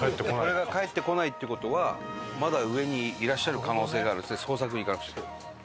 これが返ってこないっていう事はまだ上にいらっしゃる可能性があるっていって捜索行かなくちゃいけない。